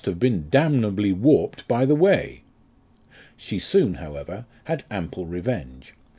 have been damnably warped by the way." She soon, however, had ample revenge.